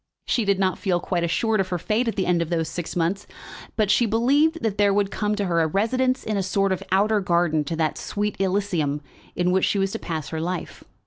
She did not feel quite assured of her fate at the end of those six months, but she believed that there would come to her a residence in a sort of outer garden to that sweet Elysium in which she was to pass her life.